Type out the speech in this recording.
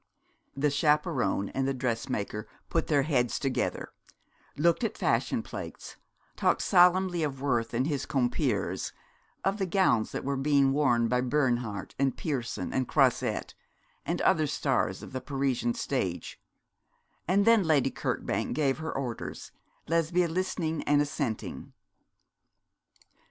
The chaperon and the dressmaker put their heads together, looked at fashion plates, talked solemnly of Worth and his compeers, of the gowns that were being worn by Bernhardt, and Pierson, and Croisette, and other stars of the Parisian stage; and then Lady Kirkbank gave her orders, Lesbia listening and assenting.